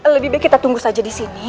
lebih baik kita tunggu saja disini